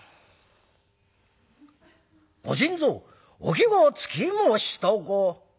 「『ご新造お気が付きましたか？』。